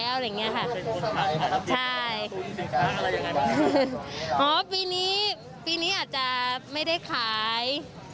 อะไรอย่างเงี้ยค่ะใช่อ๋อปีนี้ปีนี้อาจจะไม่ได้ขาย